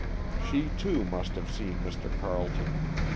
She, too, must have seen Mr. Carleton.